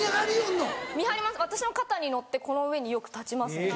私の肩に乗ってこの上によく立ちますね。